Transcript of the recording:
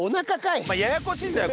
お前ややこしいんだよ